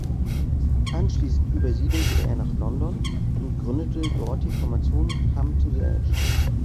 Anschließend übersiedelte er nach London und gründete dort die Formation "Come to the Edge".